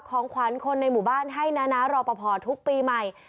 ของขวัญคนในหมู่บ้านให้นะรอปภทุกปีใหม่